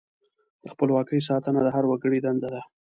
د خپلواکۍ ساتنه د هر وګړي دنده ده.